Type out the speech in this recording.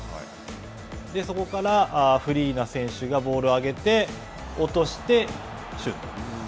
そこからフリーの選手がボールを上げて、落としてシュート。